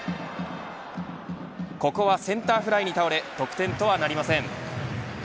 ここはセンターフライに倒れ得点とはなりません。